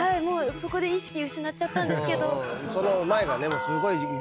そこで意識失っちゃったけど。